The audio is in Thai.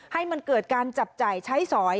ให้มันเกิดการจับจ่ายใช้สอย